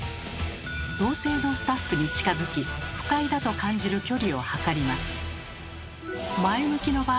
同性のスタッフに近づき不快だと感じる距離を測ります。